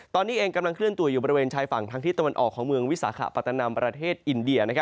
ตอนนี้เองกำลังเคลื่อนตัวอยู่บริเวณชายฝั่งทางที่ตะวันออกของเมืองวิสาขปัตตานำประเทศอินเดีย